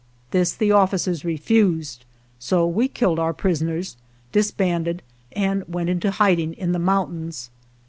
This the officers refused, so we killed our prisoners, disbanded, and went into hid ing in the mountains.